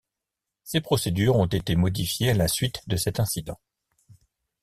Ces procédures ont été modifiées à la suite de cet incident.